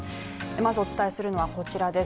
まずお伝えするのはこちらです